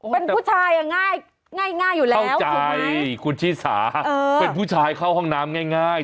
เป็นผู้ชายง่ายอยู่แล้วเข้าใจคุณชิสาเป็นผู้ชายเข้าห้องน้ำง่าย